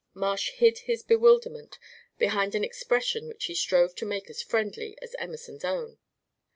Marsh hid his bewilderment behind an expression which he strove to make as friendly as Emerson's own.